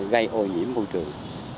gây ô nhiễm môi trường